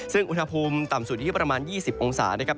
ซึ่งอุณหภูมิต่ำสุดอยู่ที่ประมาณ๒๐องศานะครับ